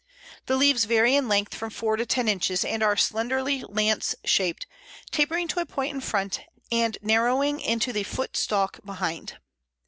The leaves vary in length from four to ten inches, and are slenderly lance shaped, tapering to a point in front, and narrowing into the foot stalk behind.